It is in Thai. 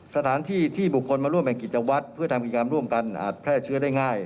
สถานที่ที่บุคคลมาร่วมแห่งกิจวัตรเพื่อทำกิจกรรมร่วมกันอาจแพร่เชื้อได้ง่าย